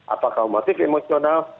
apakah motif emosional